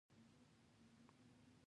الکانو ته ودونه وکئ لېوني شوه خواران.